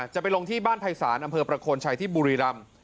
จะไปลงที่บ้านภัยศาลอำเภอประโคนชัยที่บุรีรำ